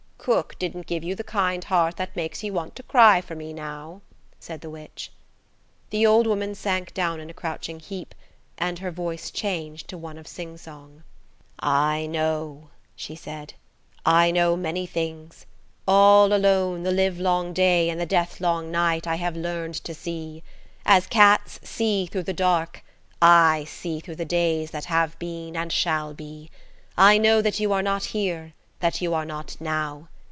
"Cook didn't give you the kind heart that makes you want to cry for me now," said the witch. The old woman sank down in a crouching heap, and her voice changed to one of singsong. "I know," she said,–"I know many things. All alone the livelong day and the death long night, I have learned to see. As cats see through the dark, I see through the days that have been and shall be. I know that you are not here, that you are not now.